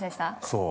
◆そう。